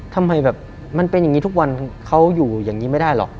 ทำไมแบบมันเป็นอย่างนี้ทุกวันเขาอยู่อย่างนี้ไม่ได้หรอก